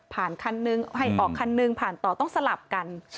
ผ่านขั้นหนึ่งให้ออกขั้นหนึ่งผ่านต่อต้องสลับกัน